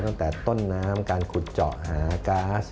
ตั้งแต่ต้นน้ำการขุดเจาะหาก๊าซ